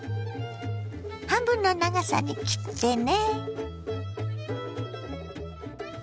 半分の長さに切ってね。